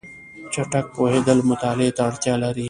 چټک پوهېدل مطالعه ته اړتیا لري.